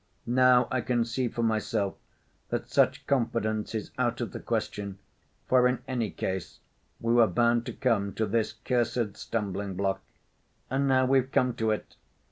Now I can see for myself that such confidence is out of the question, for in any case we were bound to come to this cursed stumbling‐ block. And now we've come to it!